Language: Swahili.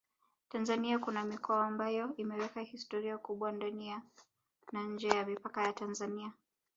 Tanzania kuna mikoa ambayo imeweka historia kubwa ndani na nje ya mipaka ya Tanzania